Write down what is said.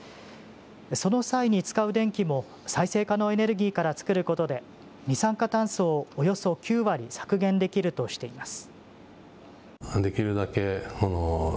その際に使う電気も再生可能エネルギーから作ることで、二酸化炭素をおよそ９割削減できるとしています。